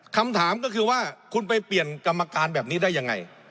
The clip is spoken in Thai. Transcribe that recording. คำถามก็คือว่าคุณไปเปลี่ยนกรรมการแบบนี้ได้ยังไง